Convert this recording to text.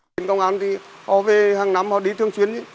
tình công an thì họ về hàng năm họ đi thường xuyên